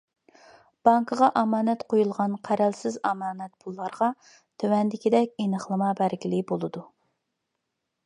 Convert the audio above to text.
بانكىغا ئامانەت قويۇلغان قەرەلسىز ئامانەت پۇللارغا تۆۋەندىكىدەك ئېنىقلىما بەرگىلى بولىدۇ.